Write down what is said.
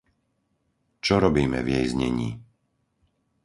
Čo robíme v jej znení?